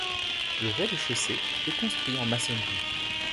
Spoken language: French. Le rez-de-chaussée est construit en maçonnerie.